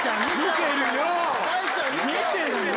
見てるよ。